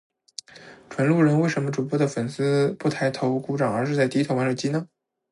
纯路人，为什么主播的粉丝不抬头鼓掌而是在低头玩手机呢？